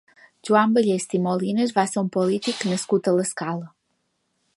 Joan Ballesta i Molinas va ser un polític nascut a l'Escala.